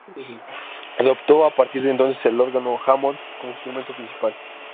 Adoptó a partir de entonces el órgano Hammond como su instrumento principal.